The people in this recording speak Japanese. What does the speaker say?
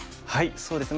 そうですね